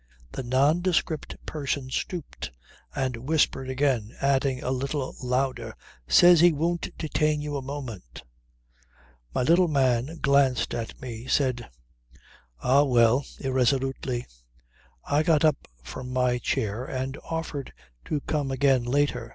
The nondescript person stooped and whispered again, adding a little louder: "Says he won't detain you a moment." My little man glanced at me, said "Ah! Well," irresolutely. I got up from my chair and offered to come again later.